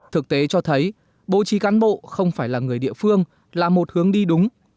thực tế cho thấy bố trí cán bộ không phải là người địa phương là một hướng đi đúng